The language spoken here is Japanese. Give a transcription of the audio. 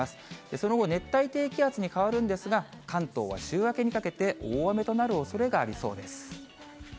その後、熱帯低気圧に変わるんですが、関東は週明けにかけて大雨となるおそれがありそうです。